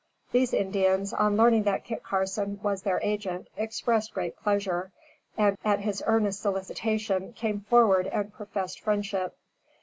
These Indians, on learning that Kit Carson was their agent, expressed great pleasure, and, at his earnest solicitation, came forward and professed friendship.